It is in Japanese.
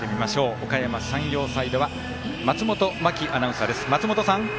おかやま山陽サイドは松本真季アナウンサーです。